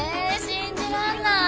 信じらんない。